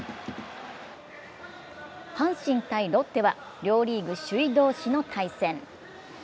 阪神×ロッテは両リーグ首位同士の対戦。